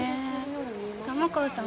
玉川さん